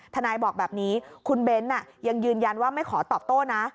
ทนายบอกแบบนี้คุณเบ้นยังยืนยันว่าไม่ขอตอบโต้นะ